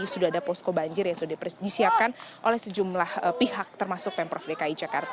sudah ada posko banjir yang sudah disiapkan oleh sejumlah pihak termasuk pemprov dki jakarta